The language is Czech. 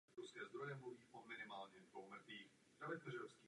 Utekli do Egypta?